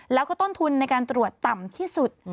แล้วก็ต้นทุนในการตรวจต่ำที่สุด